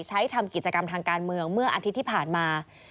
ใช้ทำกิจกรรมทางการเมืองเมื่ออาทิตย์ที่ผ่านมา